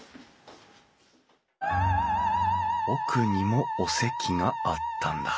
奥にもお席があったんだ。